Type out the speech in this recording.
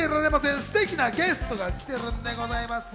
ステキなゲストが来てくれるんでございます。